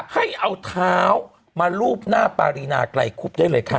ให้เอาเท้ามารูปหน้าปารีนาไกลคุบได้เลยค่ะ